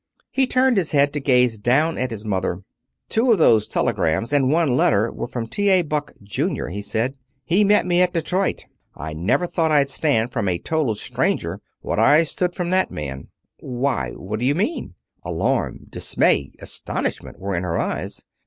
He turned his head to gaze down at his mother. "Two of those telegrams, and one letter, were from T. A. Buck, Junior," he said. "He met me at Detroit. I never thought I'd stand from a total stranger what I stood from that man." "Why, what do you mean?" Alarm, dismay, astonishment were in her eyes.